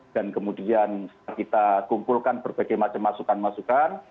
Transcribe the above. dan kemudian kita kumpulkan berbagai macam masukan masukan